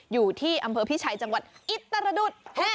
อยู่ที่อำเภอพิชัยจังหวัดอิตรดุษ